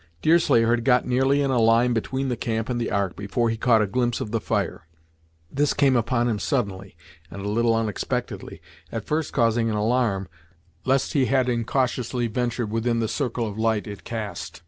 Deerslayer had got nearly in a line between the camp and the ark before he caught a glimpse of the fire. This came upon him suddenly, and a little unexpectedly, at first causing an alarm, lest he had incautiously ventured within the circle of light it cast.